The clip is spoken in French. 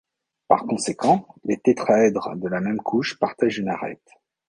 Par conséquent, les tétraèdres de la même couche partagent une arête.